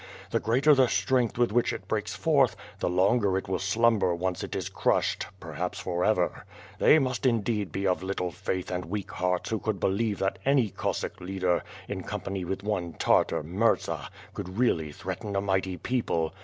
The greater the strength with which it breaks forth, the longer it will slumber once it is crushsd — perhaps forever. They must in deed be of HHle faith and weak hearts who could believe that any Cossack leader, in company with one Tartar Murza, could really threaten a mighty people.